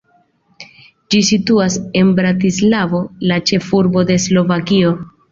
Ĝi situas en Bratislavo, la ĉefurbo de Slovakio.